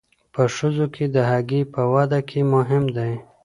په ښځو کې د هګۍ په وده کې مهم دی.